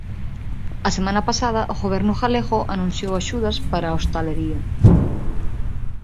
A semana pasada o Goberno galego anunciou axudas para a hostalería.